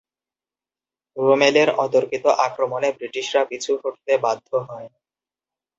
রোমেলের অতর্কিত আক্রমণে ব্রিটিশরা পিছু হটতে বাধ্য হয়।